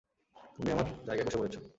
তুমি আমার জায়গায় বসে পড়েছ।